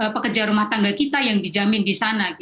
pekerja rumah tangga kita yang dijamin di sana